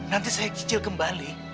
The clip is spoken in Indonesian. nanti saya kicil kembali